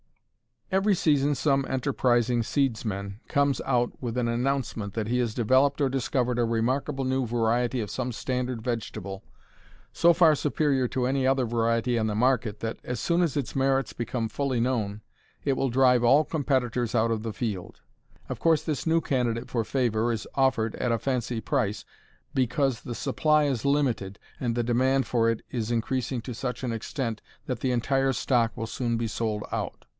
Every season some enterprising seedsman comes out with an announcement that he has developed or discovered a remarkable new variety of some standard vegetable so far superior to any other variety on the market that, as soon as its merits become fully known, it will drive all competitors out of the field. Of course this new candidate for favor is offered at a fancy price, "because the supply is limited, and the demand for it is increasing to such an extent that the entire stock will soon be sold out.